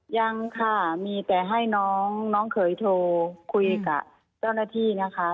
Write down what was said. ยังค่ะมีแต่ให้น้องเขยโทรคุยกับเจ้าหน้าที่นะคะ